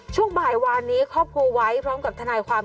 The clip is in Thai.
ช่วงบ่ายวานนี้ครอบครัวไว้พร้อมกับทนายความ